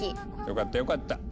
よかったよかった。